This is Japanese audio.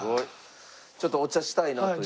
ちょっとお茶したいなという。